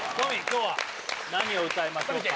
今日は何を歌いましょうか？